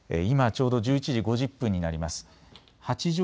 今ちょうど１１時５０分になります。